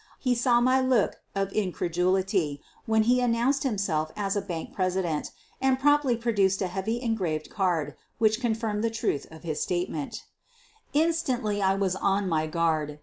He saw my look of incredulity when he announced himself as a bank president and promptly produced a heavy engraved card which confirmed the truth of his statement Instantly I was on my guard.